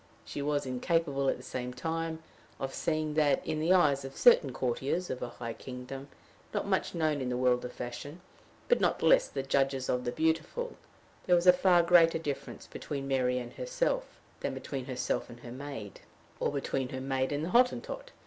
She was incapable, at the same time, of seeing that, in the eyes of certain courtiers of a high kingdom, not much known to the world of fashion, but not the less judges of the beautiful, there was a far greater difference between Mary and herself than between herself and her maid, or between her maid and the Hottentot.